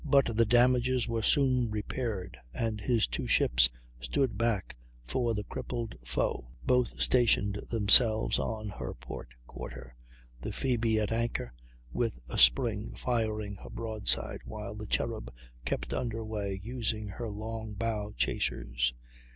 But the damages were soon repaired, and his two ships stood back for the crippled foe. Both stationed themselves on her port quarter, the Phoebe at anchor, with a spring, firing her broadside, while the Cherub kept under way, using her long bow chasers.